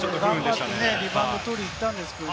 リバウンド、取りに行ったんですけれど。